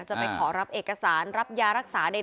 จะไปขอรับเอกสารรับยารักษาใด